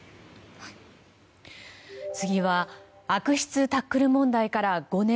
次は悪質タックル問題から５年。